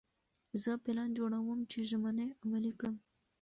زه پلان جوړوم چې ژمنې عملي کړم.